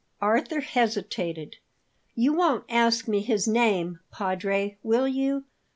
Arthur hesitated. "You won't ask me his name, Padre, will you?